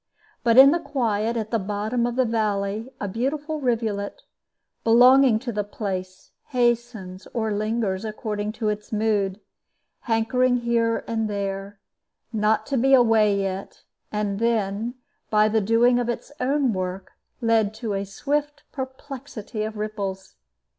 But in the quiet, at the bottom of the valley, a beautiful rivulet, belonging to the place, hastens or lingers, according to its mood; hankering here and there, not to be away yet; and then, by the doing of its own work, led to a swift perplexity of ripples.